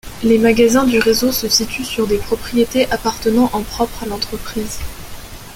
Les magasins du réseau se situent sur des propriétés appartenant en propre à l'entreprise.